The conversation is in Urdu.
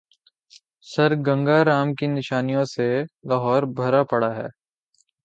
سرگنگا رام کی نشانیوں سے لاہور بھرا پڑا ہے۔